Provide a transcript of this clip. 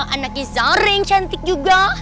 anaknya zara yang cantik juga